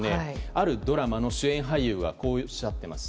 あるドラマの主演俳優はこうおっしゃっています。